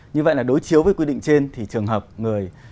như vậy là đối chiếu với quy định trên thì trường hợp người